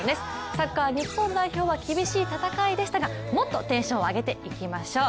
サッカー日本代表は厳しい戦いでしたがもっとテンション上げていきましょう。